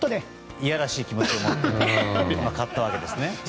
いやらしい気持ちで買ったんですね。